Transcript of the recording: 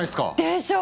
でしょ？